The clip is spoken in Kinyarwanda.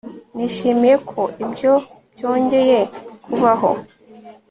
Nishimiye ko ibyo byongeye kubaho